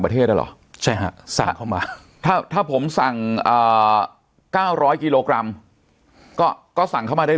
ประเทศอ่ะต่ำสั่งเอามาถ้าผมสั่งก้าวร้อยกิโลกรัมก็ก็สั่งเข้ามาได้